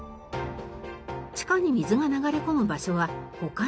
地下に水が流れ込む場所は他にも。